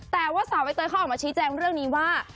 แต่ว่าสาวใบเตยเขาออกมาชี้แจงเรื่องนี้ว่า